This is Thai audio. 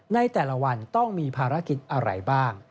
ในแต่ละวันต้องมีภารกิจอะไรบ้าง